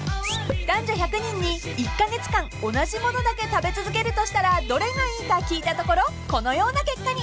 ［男女１００人に１カ月間同じものだけ食べ続けるとしたらどれがいいか聞いたところこのような結果に］